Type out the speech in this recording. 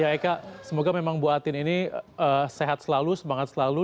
ya eka semoga memang bu atin ini sehat selalu semangat selalu